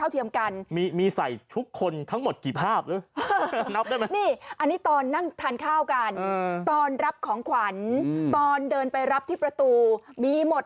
๑๕๒ภาพภาพในงานมันเกิด